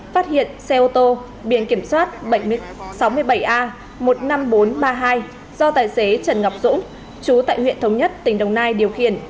phát hiện xe ô tô biển kiểm soát bảy mươi sáu mươi bảy a một mươi năm nghìn bốn trăm ba mươi hai do tài xế trần ngọc dũng chú tại huyện thống nhất tỉnh đồng nai điều khiển